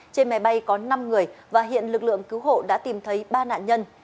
trên máy bay có năm người và hiện lực lượng cứu hộ đã tìm thấy ba nạn nhân